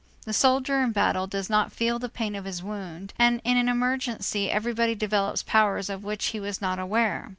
The soldier in battle does not feel the pain of his wound, and in an emergency everybody develops powers of which he was not aware.